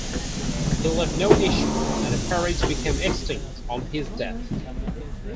He left no issue, and the peerage became extinct on his death.